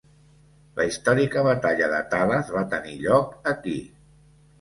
La històrica batalla de Talas va tenir lloc aquí.